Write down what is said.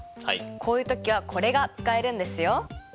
こういう時はこれが使えるんですよ。